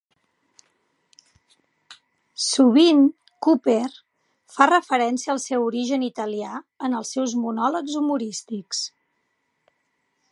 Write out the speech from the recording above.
Sovint Cooper fa referència al seu origen italià en els seus monòlegs humorístics.